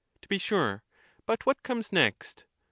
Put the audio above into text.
To be sure. But what comes next?